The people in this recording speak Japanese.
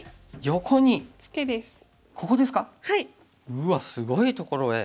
うわっすごいところへ。